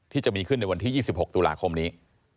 ที่จะมีขึ้นในวันที่๒๖ตุลาคมนี้